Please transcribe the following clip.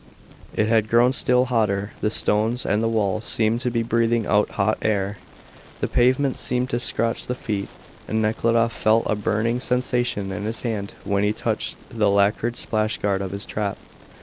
It had grown still hotter. The stones and the walls seemed to be breathing out hot air. The pavement seemed to scorch the feet, and Nekhludoff felt a burning sensation in his hand when he touched the lacquered splashguard of his trap.